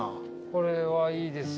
これはいいですよ。